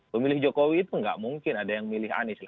pemilih jokowi itu nggak mungkin ada yang milih anies